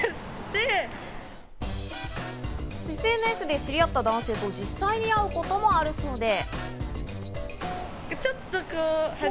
ＳＮＳで知り合った男性と実際に会うこともあるそうで。